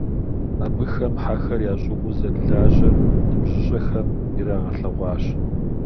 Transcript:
Абыхэм хьэхэр ящӀыгъуу зэрылажьэр ныбжьыщӀэхэм ирагъэлъэгъуащ.